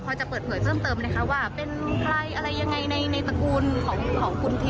แล้วถายาพอจะเปิดเหมือนเติมว่าเป็นใครอะไรยังไงในตระกูลของคุณพิว